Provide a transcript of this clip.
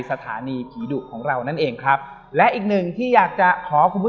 สถานีผีดุของเรานั่นเองครับและอีกหนึ่งที่อยากจะขอคุณผู้ชม